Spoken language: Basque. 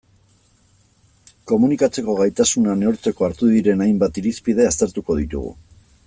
Komunikatzeko gaitasuna neurtzeko hartu diren hainbat irizpide aztertuko ditugu.